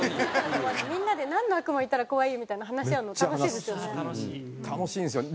みんなで「なんの悪魔いたら怖い？」みたいな話し合うの楽しいですよね。